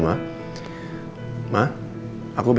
kalau aku mau lo